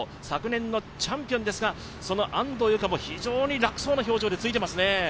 昨年のチャンピオンですが、その安藤友香も非常に楽そうな表情でついていますね。